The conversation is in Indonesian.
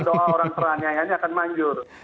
doa orang perannya ini akan manjur